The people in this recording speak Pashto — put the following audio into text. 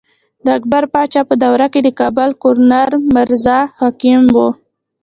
د اکبر باچا په دور کښې د کابل ګورنر مرزا حکيم وو۔